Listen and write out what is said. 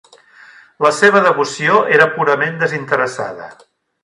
La seva devoció era purament desinteressada.